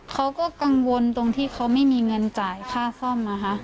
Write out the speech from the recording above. เขาก็กังวลตรงที่เขาไม่มีเงินจ่ายค่าซ่อมนะคะ